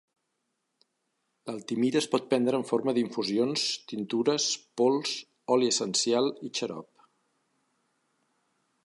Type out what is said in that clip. L'altimira es pot prendre en forma d'infusions, tintures, pols, oli essencial i xarop.